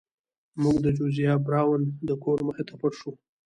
موږ د جوزیا براون د کور مخې ته پټ شو.